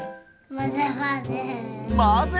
まぜまぜ！